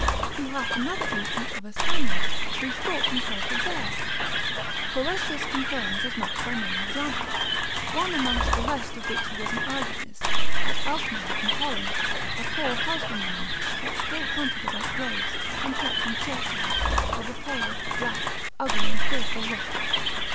He hath another instance of a Spaniard, who thought himself a bear; Forrestus confirms as much by many examples; one amongst the rest of which he was an eyewitness, at Alcmaer in Holland, a poor husbandman that still hunted about graves, and kept in churchyards, of a pale, black, ugly, and fearful look.